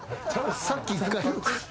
さっき１回。